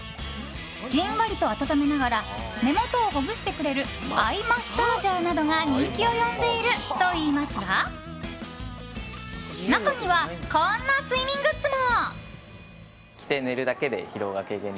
じんわりと温めながら目元をほぐしてくれるアイマッサージャーなどが人気を呼んでいるといいますが中には、こんな睡眠グッズも。